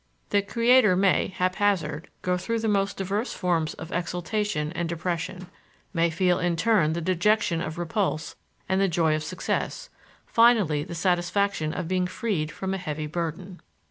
The creator may, haphazard, go through the most diverse forms of exaltation and depression; may feel in turn the dejection of repulse and the joy of success; finally the satisfaction of being freed from a heavy burden.